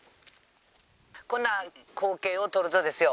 こんな光景を撮るとですよ